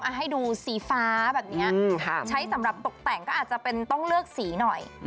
ให้ดูสีฟ้าแบบนี้ใช้สำหรับตกแต่งก็อาจจะเป็นต้องเลือกสีหน่อย